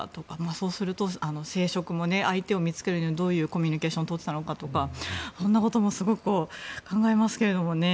そうすると、生殖も相手を見つけるのにどういうコミュニケーションを取っていたのかとかそんなこともすごく考えますが。